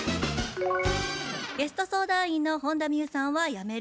ゲスト相談員の本田望結さんは「やめる」